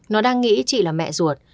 nó đang nghĩ chị là mẹ ruột